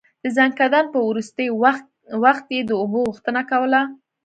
د ځنکدن په وروستی وخت يې د اوبو غوښتنه کوله.